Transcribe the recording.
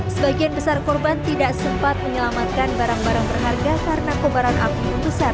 sebagian besar korban tidak sempat menyelamatkan barang barang berharga karena kubaran akun besar